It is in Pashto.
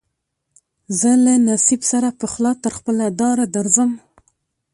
زه له نصیب سره پخلا تر خپله داره درځم